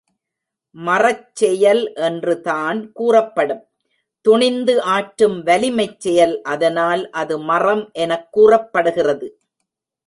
மறச் செயல் என்றுதான் கூறப்படும்.துணிந்து ஆற்றும் வலிமைச் செயல் அதனால் அது மறம் எனக் கூறப்படுகிறது.